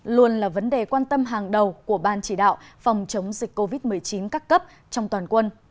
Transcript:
luôn là vấn đề quan tâm hàng đầu của ban chỉ đạo phòng chống dịch covid một mươi chín các cấp trong toàn quân